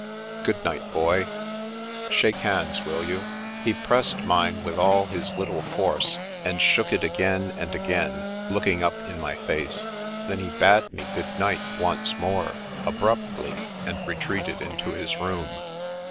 " Good night. Boy." " Shake hands, will you? " He pressed mine with all his little force, and shook it again and again, looking up in my face. Then he bade me " Good night " once more, abruptly, and retreated into his room.